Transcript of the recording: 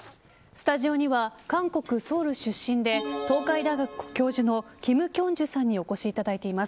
スタジオには韓国・ソウル出身で東海大学教授の金慶珠さんにお越しいただいています。